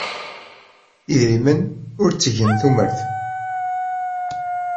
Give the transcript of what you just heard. Idrimen ur ttegen tumert.